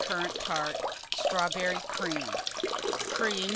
Currant Tart. Strawberry Cream.